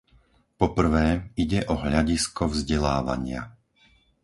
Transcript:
Po prvé, ide o hľadisko vzdelávania.